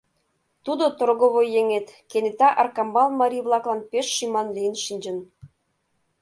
Тудо — торговой еҥет, кенета Аркамбал марий-влаклан пеш шӱман лийын шинчын.